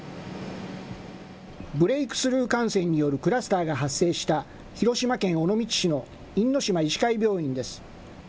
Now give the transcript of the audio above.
ブレイクスルー感染によるクラスターが発生した、広島県尾道市の因島医師会病院です。